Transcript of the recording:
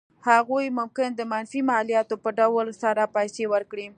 هغوی ممکن د منفي مالیاتو په ډول سره پیسې ورکړي.